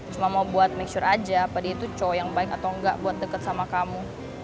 cuma mau buat make sure aja padi itu cowok yang baik atau enggak buat deket sama kamu